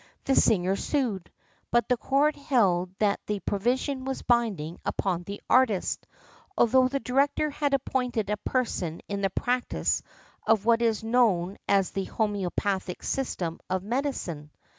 The singer sued, but the Court held that the provision was binding upon the artist, although the director had appointed a person in the practice of what is known as the homœopathic system of medicine.